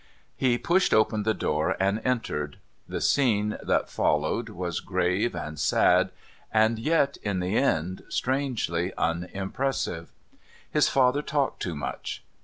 He pushed open the door and entered. The scene that followed was grave and sad, and yet, in the end, strangely unimpressive. His father talked too much.